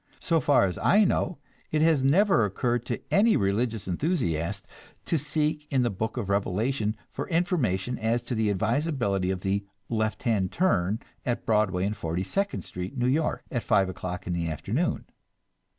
So far as I know, it has never occurred to any religious enthusiast to seek in the book of Revelation for information as to the advisability of the "left hand turn" at Broadway and Forty second Street, New York, at five o'clock in the afternoon.